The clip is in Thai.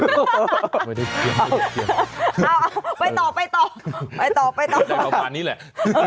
ในประวัตินี้แหละ